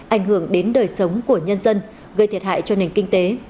ảnh hưởng đến đời sống của nhân dân gây thiệt hại cho nền kinh tế